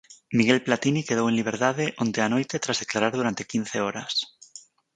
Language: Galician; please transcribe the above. Miguel Platini quedou en liberdade onte á noite tras declarar durante quince horas.